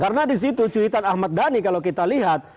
karena disitu cuitan ahmad dhani kalau kita lihat